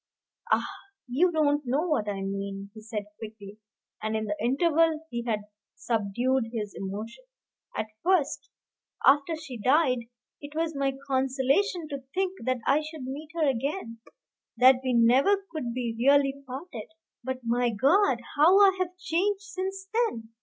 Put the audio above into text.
"Ah! you don't know what I mean," he said quickly; and in the interval he had subdued his emotion. "At first, after she died, it was my consolation to think that I should meet her again, that we never could be really parted. But, my God, how I have changed since then!